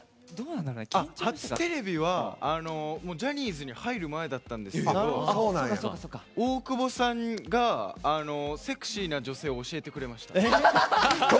初テレビはジャニーズに入る前だったんですけど大久保さんがセクシーな女性を教えてくれました。